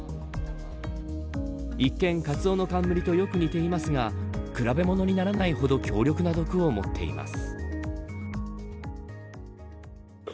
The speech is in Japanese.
一見、カツオノカンムリとよく似ていますが比べ物にならないほど強力な毒を持っています。